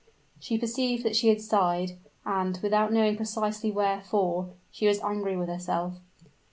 She perceived that she had sighed and, without knowing precisely wherefore, she was angry with herself.